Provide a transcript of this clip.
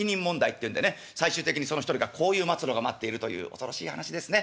最終的にその一人がこういう末路が待っているという恐ろしい話ですね。